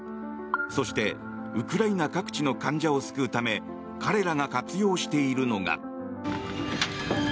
そしてウクライナ各地の患者を救うため彼らが活用しているのが。